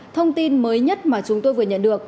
thông tin mới nhất mà chúng tôi vừa nhận được